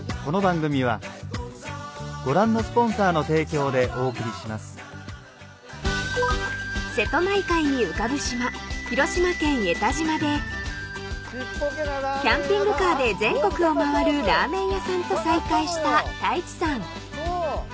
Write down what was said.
やっぱり自分を分離させるというか［瀬戸内海に浮かぶ島広島県江田島でキャンピングカーで全国を回るラーメン屋さんと再会した太一さん］